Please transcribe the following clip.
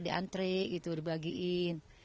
diantri gitu dibagiin